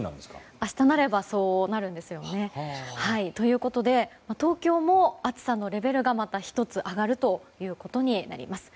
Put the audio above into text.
明日なればそうなるんですよね。ということで東京も暑さのレベルがまた１つ上がるということになります。